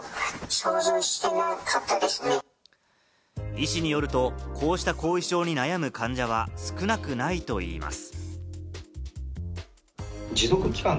医師によると、こうした後遺症に悩む患者は少なくないといいます。